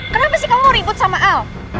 kenapa sih kamu ribut sama al